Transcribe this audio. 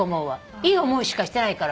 いい思いしかしてないから。